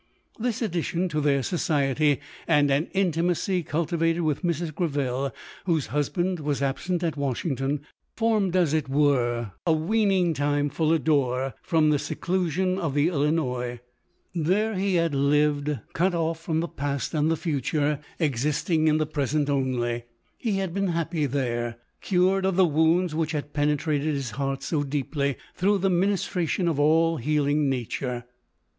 This addition to their society, and an inti macy cultivated with Mrs. Greville, whose hus band was absent at Washington, formed, as it were, a weaning time for Lodore, from the seclusion of the Illinois. There he had lived, cut off from the past and the future, existing in 228 LODORE. the present only. He had been happy there ; cured of the wounds which had penetrated his heart so deeply, through the ministration of all healing nature.